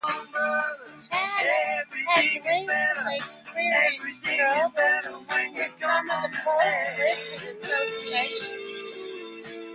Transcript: China has recently experienced trouble with some of the post listed associations.